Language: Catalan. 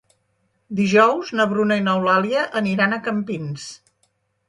Dijous na Bruna i n'Eulàlia aniran a Campins.